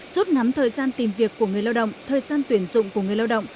rút nắm thời gian tìm việc của người lao động thời gian tuyển dụng của người lao động